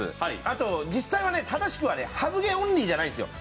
あと実際はね正しくはねハブ毛オンリーじゃないんですよ。